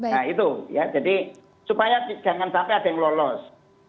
nah itu ya jadi supaya jangan sampai ada yang lolos